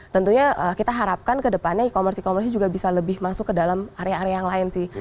tentunya kita harapkan kedepannya e commerce e commerce juga bisa lebih masuk ke dalam area area yang lain sih